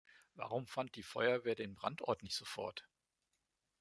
Warum fand die Feuerwehr den Brandort nicht sofort?